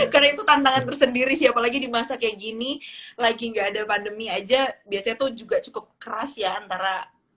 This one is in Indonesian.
karena itu tantangan tersendiri apalagi di masa kayak gini lagi nggak ada pandemi aja biasanya tuh juga cukup keras ya antara